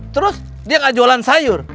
terus dia gak jualan sayur